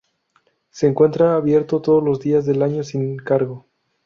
Se encuentra abierto todos los días del año, sin cargo.